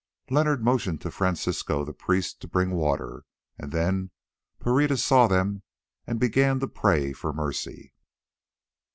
Leonard motioned to Francisco the priest to bring water, then Pereira saw them and began to pray for mercy.